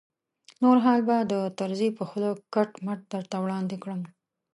نور حال به د طرزي په خوله کټ مټ درته وړاندې کړم.